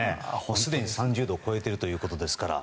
すでに３０度を超えているということですから。